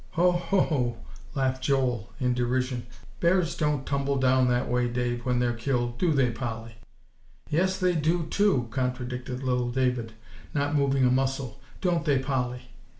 "Hoh hoh!" laughed Joel in derision; "bears don't tumble down that way, Dave, when they're killed; do they, Polly?" "Yes, they do too," contradicted little David, not moving a muscle; "don't they, Polly?"